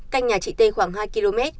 canh nhà chị t khoảng hai km